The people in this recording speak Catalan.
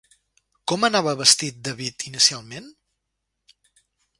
Com anava vestit David inicialment?